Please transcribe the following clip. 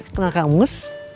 kenal kang mus